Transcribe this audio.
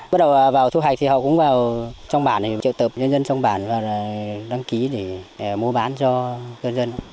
bắt đầu vào thu hoạch thì họ cũng vào trong bản triệu tập nhân dân trong bản và đăng ký để mua bán cho dân